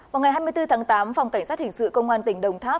vào ngày hai mươi bốn tháng tám phòng cảnh sát hình sự công an tỉnh đồng tháp